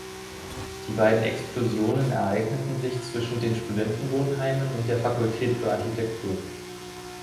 Die beiden Explosionen ereigneten sich zwischen den Studentenwohnheimen und der Fakultät für Architektur.